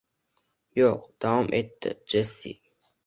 Yo`q, davom etdi Jessi